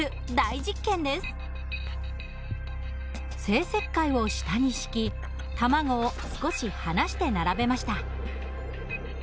生石灰を下に敷き卵を少し離して並べました。